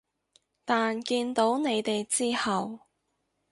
但見到你哋之後